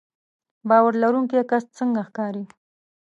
باور لرونکی کس څنګه ښکاري